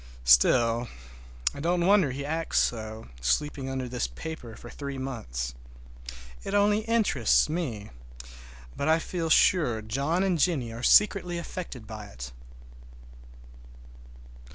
Still, I don't wonder he acts so, sleeping under this paper for three months. It only interests me, but I feel sure John and Jennie are secretly affected by it.